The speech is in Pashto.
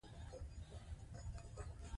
لېونے شوے يمه واګې له توسنه نيسم